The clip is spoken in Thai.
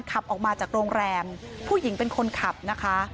ขับออกมาจากโรงแรมผู้หญิงเป็นคนขับนะคะ